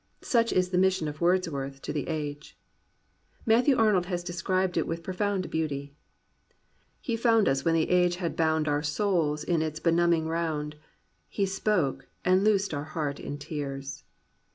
Such is the mission of Wordsworth to the age. Matthew Arnold has described it with pro found beauty. He found us when the age had bound Our souls in its benumbing round, He spoke, and loosed our heart in tears.